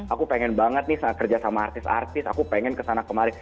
aku pengen banget nih saat kerja sama artis artis aku pengen kesana kemari